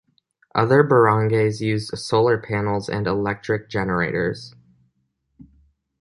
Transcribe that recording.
Other barangays use solar panels and electric generators.